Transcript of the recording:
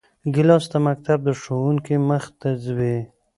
ګیلاس د مکتب د ښوونکي مخې ته وي.